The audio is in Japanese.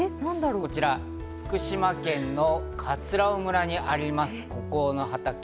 こちら福島県の葛尾村にあります